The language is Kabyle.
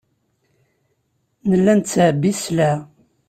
Nella nettɛebbi sselɛa.